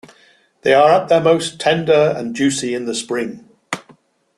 They are at their most tender and juicy in the spring.